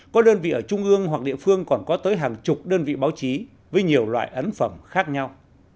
có đơn vị ở trung ương hoặc địa phương còn có tới hàng chục đơn vị báo chí với nhiều loại ấn phẩm khác nhau